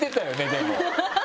でも。